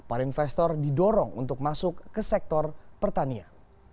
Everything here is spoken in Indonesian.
para investor didorong untuk masuk ke sektor pertanian